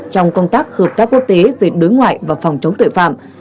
trong công tác hợp tác quốc tế về đối ngoại và phòng chống tội phạm